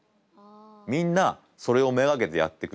みんなそれを目がけてやってくる。